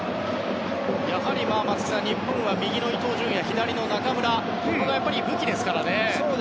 やはり松木さん、日本は伊東などがここが武器ですからね。